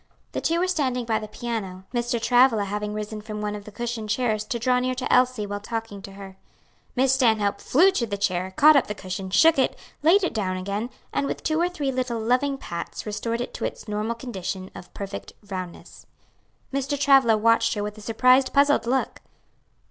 The two were standing by the piano, Mr. Travilla having risen from one of the cushioned chairs to draw near to Elsie while talking to her. Miss Stanhope flew to the chair, caught up the cushion, shook it, laid it down again, and with two or three little loving pats restored it to its normal condition of perfect roundness. Mr. Travilla watched her with a surprised, puzzled look.